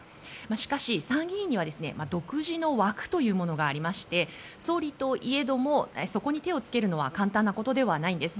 しかし、参議院には独自の枠がありまして総理といえどもそこに手を付けるのは簡単なことではないんです。